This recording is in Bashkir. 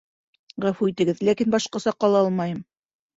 Ғәфү итегеҙ, ләкин башҡаса ҡала алмайым